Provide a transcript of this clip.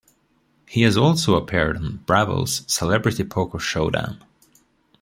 He has also appeared on Bravo's "Celebrity Poker Showdown".